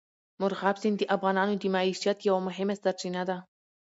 مورغاب سیند د افغانانو د معیشت یوه مهمه سرچینه ده.